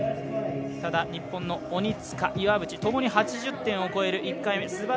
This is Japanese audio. ただ日本の鬼塚、岩渕ともに８０点を超える点数。